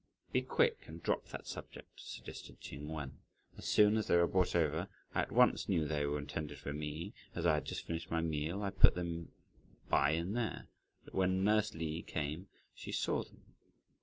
"Be quick and drop that subject," suggested Ch'ing Wen; "as soon as they were brought over, I at once knew they were intended for me; as I had just finished my meal, I put them by in there, but when nurse Li came she saw them.